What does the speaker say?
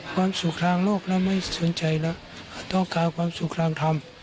ความสุขทางโลกแล้วไม่สนใจแล้วต้องการความสุขทางธรรม